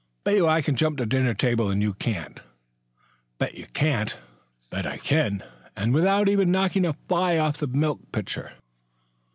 "Bet you I can jump the dinner table and you can't." "Bet you can't." "Bet I can, and without even knocking a fly off the milk pitcher."